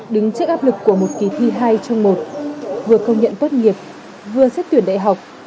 đứng trước áp lực của một kỳ thi hai trong một vừa công nhận tốt nghiệp vừa xét tuyển đại học